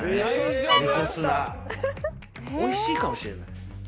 おいしいかもしれない。